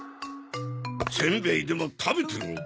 せんべいでも食べてろ。